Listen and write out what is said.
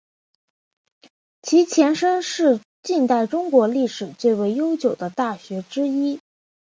其前身是近代中国历史最为悠久的大学之一。